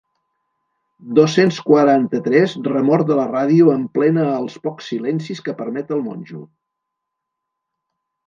Dos-cents quaranta-tres remor de la ràdio emplena els pocs silencis que permet el monjo.